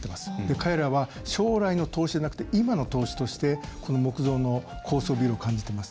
彼らは、将来の投資じゃなくて今の投資としてこの木造の高層ビルを感じています。